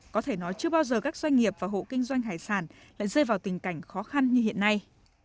có thể nói chưa bao giờ các doanh nghiệp và hộ kinh doanh hải sản lại rơi vào tình cảnh khó khăn như hiện nay